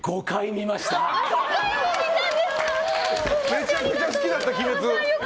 めちゃくちゃ好きだった「鬼滅」。